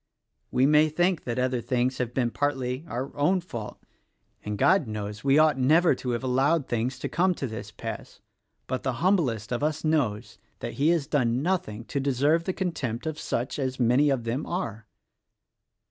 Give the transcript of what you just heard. We may think that other things have been partly our own fault; and God THE RECORDING ANGEL 51 knows we ought never to have allowed things to come to this pass; but the humblest of us knows that he has done nothing to deserve the contempt of such as many of them are."